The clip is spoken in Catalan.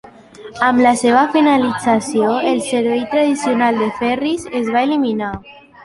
Amb la seva finalització, el servei tradicional de ferris es va eliminar.